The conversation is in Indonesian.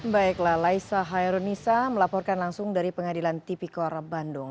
baiklah laisa hairunisa melaporkan langsung dari pengadilan tipikor bandung